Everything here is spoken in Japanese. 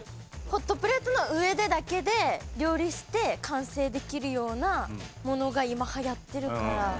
ホットプレートの上でだけで料理して完成できるようなものが今流行ってるから。